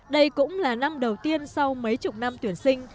đây cũng là năm đầu tiên sau mấy chục năm tuyển sinh